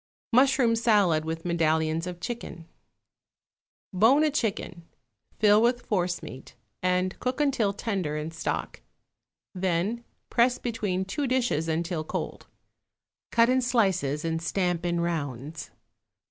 =Mushroom Salad with Medallions of Chicken.= Bone a chicken, fill with forcemeat, and cook until tender in stock; then press between two dishes until cold. Cut in slices and stamp in rounds.